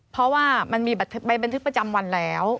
เพราะว่ามันมีใบบันทึกประจำวันแล้ว